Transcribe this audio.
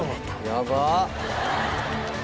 やばっ！